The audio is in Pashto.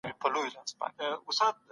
زه کولی شم فشار کم کړم.